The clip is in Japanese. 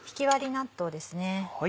納豆ですね。